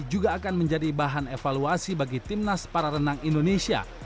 juga akan menjadi bahan evaluasi bagi timnas para renang indonesia